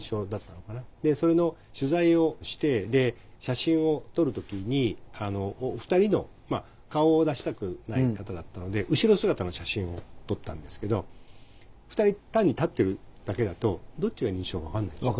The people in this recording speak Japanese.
それの取材をしてで写真を撮る時に２人の顔を出したくない方だったので後ろ姿の写真を撮ったんですけど２人単に立ってるだけだとどっちが認知症か分かんないでしょ。